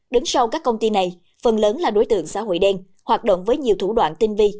đứng sau các công ty này phần lớn là đối tượng xã hội đen hoạt động với nhiều thủ đoạn tinh vi